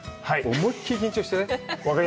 思いっきり緊張してない？